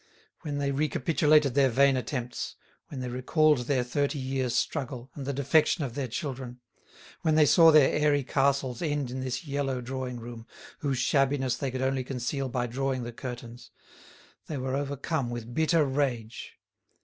When they recapitulated their vain attempts—when they recalled their thirty years' struggle, and the defection of their children—when they saw their airy castles end in this yellow drawing room, whose shabbiness they could only conceal by drawing the curtains, they were overcome with bitter rage.